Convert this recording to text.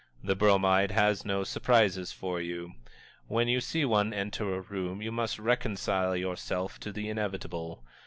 The Bromide has no surprises for you. When you see one enter a room, you must reconcile yourself to the inevitable.